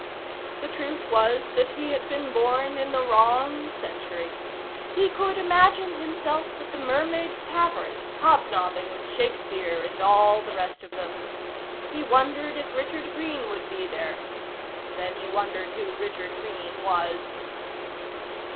The truth was that he had been born in the wrong century. He could imagine himself at the Mermaid Tavern, hob nobbing with Shakespeare and all the rest of them. He wondered if Richard Greene would be there. Then he wondered who Richard Greene was.